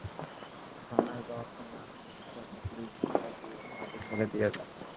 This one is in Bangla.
থানায় যাওয়ার সময় আরেকটা রিকশাকে পুলিশ ধাক্কা দিয়ে খাদে ফেলে দিয়ে যায়।